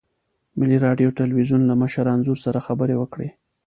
ملي راډیو تلویزیون له مشر انځور سره خبرې وکړې.